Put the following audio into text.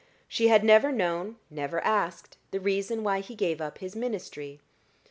She had never known, never asked the reason why he gave up his ministry.